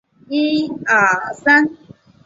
近代日本对妓院则多了汤屋。